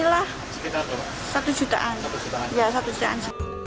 ya satu jutaan